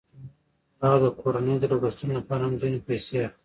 هغه د کورنۍ د لګښتونو لپاره هم ځینې پیسې اخلي